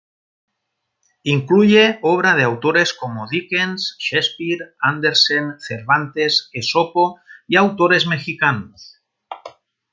Incluye obra de autores como Dickens, Shakespeare, Andersen, Cervantes, Esopo y autores mexicanos.